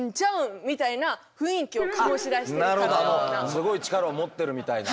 すごい力を持ってるみたいな。